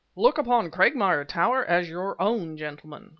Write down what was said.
"Look upon Cragmire Tower as your own, gentlemen!"